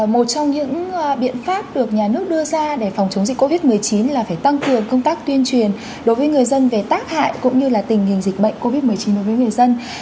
một trong những biện pháp được nhà nước đưa ra để phòng chống dịch covid một mươi chín là phải tăng cường công tác tuyên truyền đối với người dân về tác hại cũng như là tình hình dịch bệnh covid một mươi chín đối với người dân